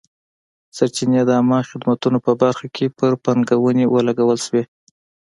سرچینې د عامه خدماتو په برخه کې پر پانګونې ولګول شوې.